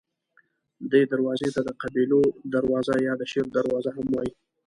دې دروازې ته د قبیلو دروازه یا د شیر دروازه هم وایي.